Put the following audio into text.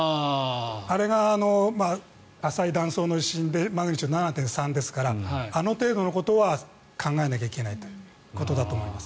あれが浅い断層の地震でマグニチュード７．３ですからあの程度のことは考えなきゃいけないということだと思います。